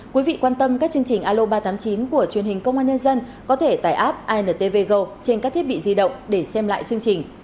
quý vị quan tâm các chương trình alo ba trăm tám mươi chín của truyền hình công an nhân dân có thể tải app intv go trên các thiết bị di động để xem lại chương trình